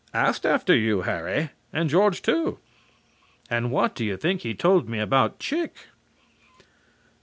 Asked after you, Harry ... and George too. And what do you think he told me about Chick?"